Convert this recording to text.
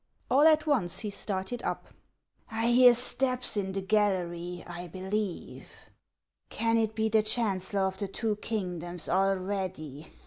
All at once he started up. " I hear steps in the gallery, I believe ; can it be the chancellor of the two kingdoms already